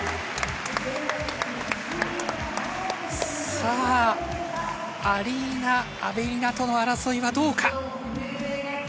さぁ、アリーナ・アベリナとの争いはどうか。